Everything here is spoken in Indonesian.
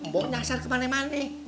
bukannya asal kemana mana